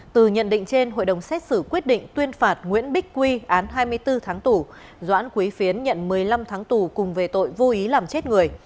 từ nhận định trên hội đồng xét xử quyết định tuyên phạt nguyễn bích quy án hai mươi bốn tháng tù doãn quý phiến nhận một mươi năm tháng tù cùng về tội vô ý làm chết người